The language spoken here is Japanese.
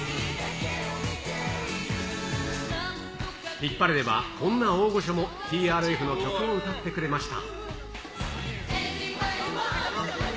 ヒッパレでは、こんな大御所もＴＲＦの曲を歌ってくれました。